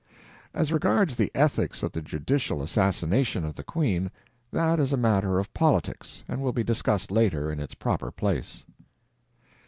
As regards the ethics of the judicial assassination of the queen, that is a matter of politics, and will be discussed later, in its proper place.